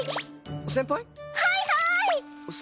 はいはい！